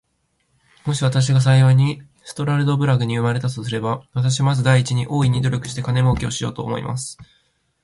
もし私が幸いにストラルドブラグに生れたとすれば、私はまず第一に、大いに努力して金もうけをしようと思います。